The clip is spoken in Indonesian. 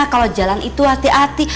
kalau jalan itu hati hati